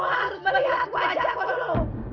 kamu harus melihat wajahmu dulu